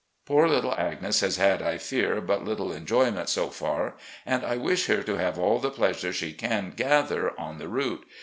Poor little Agnes has had, I fear, but little enjoyment so far, and I wish her to have all the pleasure she can gather on the route.